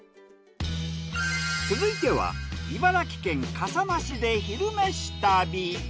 続いては茨城県笠間市で「昼めし旅」。